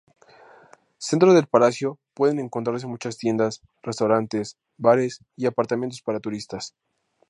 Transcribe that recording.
Centro del palacio pueden encontrarse muchas tiendas, restaurantes, bares y apartamentos para turistas.